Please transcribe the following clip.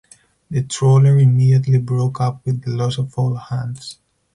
The trawler immediately broke up with the loss of all hands.